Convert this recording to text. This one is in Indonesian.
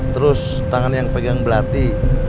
terus tangan yang pegang belati